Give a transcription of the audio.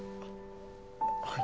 はい。